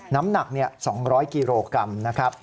น้ำหนัก๒๐๐กิโลกรัมนะครับ